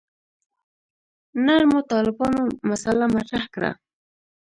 نرمو طالبانو مسأله مطرح کړه.